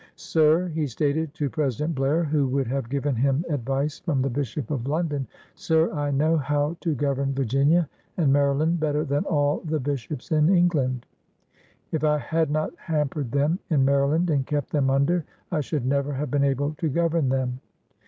^'Sir," he stated to President Blair, who would have given him advice from the Bishop of London, ^^Sir, I know how to govern Virginia and Maryland better than all the bishops in England ! If I had not hampered them in Maryland and kept them under, I should never have been able to govern them!